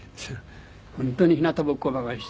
本当にひなたぼっこばかりして。